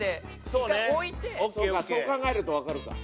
そう考えるとわかるか。